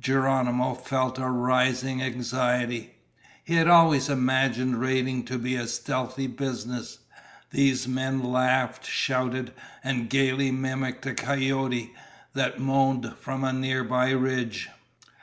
Geronimo felt a rising anxiety. He had always imagined raiding to be a stealthy business. These men laughed, shouted, and gaily mimicked a coyote that moaned from a nearby ridge.